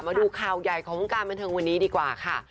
มาดูข่าวใหญ่ของวงการบันเทิงวันนี้ดีกว่าค่ะ